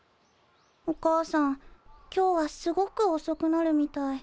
お母さん今日はすごくおそくなるみたい。